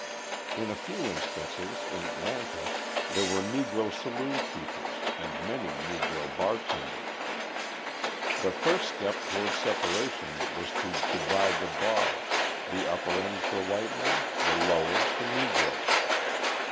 In a few instances, in Atlanta, there were Negro saloon keepers, and many Negro bartenders. The first step toward separation was to divide the bar, the upper end for white men, the lower for Negroes.